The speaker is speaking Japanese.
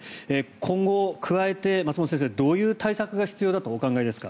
今後、加えて松本先生どういう対策が必要だとお考えですか。